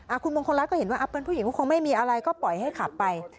คุณมงคลรัฐก็เห็นว่าเป็นผู้หญิงก็คงไม่มีอะไรก็ปล่อยให้ขับไป